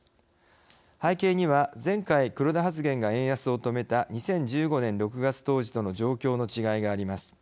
背景には前回、黒田発言が円安を止めた２０１５年６月当初との状況の違いがあります。